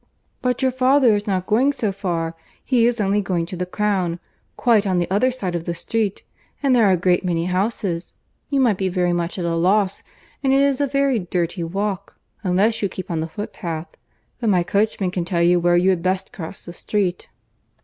"But your father is not going so far; he is only going to the Crown, quite on the other side of the street, and there are a great many houses; you might be very much at a loss, and it is a very dirty walk, unless you keep on the footpath; but my coachman can tell you where you had best cross the street."